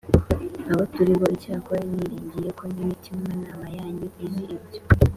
abo turi bo Icyakora niringiye ko n imitimanama yanyu izi ibyo